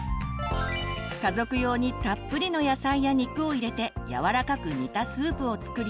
家族用にたっぷりの野菜や肉を入れてやわらかく煮たスープを作り